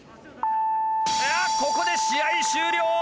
ここで試合終了。